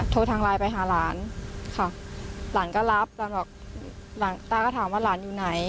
โทรทางไลน์ไปหาหลานค่ะหลานก็รับหลานบอกหลานตาก็ถามว่าหลานอยู่ไหน